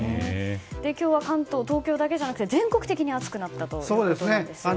今日は関東東京だけじゃなくて全国的に暑くなったということですよね。